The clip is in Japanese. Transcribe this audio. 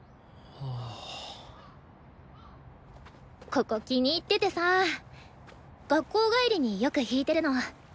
ここ気に入っててさ学校帰りによく弾いてるの。